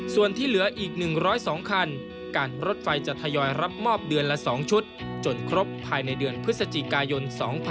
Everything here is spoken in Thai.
ส่วนที่เหลืออีก๑๐๒คันการรถไฟจะทยอยรับมอบเดือนละ๒ชุดจนครบภายในเดือนพฤศจิกายน๒๕๖๒